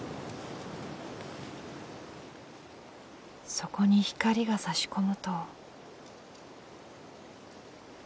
そこに光がさし込むと。